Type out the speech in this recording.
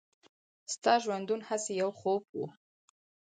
«ستا ژوندون هسې یو خوب و.»